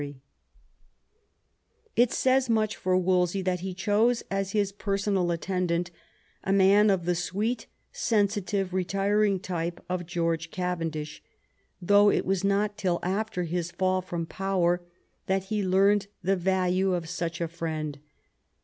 X THE FALL OF WOLSEY 209 It says much for Wolsey that he chose as his personal attendant a man of the sweet, sensitive, retiring type of George Cavendish, though it was not till after his fall from power that he learned the value of such a friend.